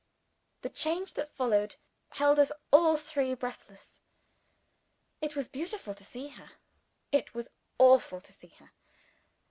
The change that followed, held us all three breathless. It was beautiful to see her. It was awful to see her.